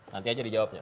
nanti aja dijawabnya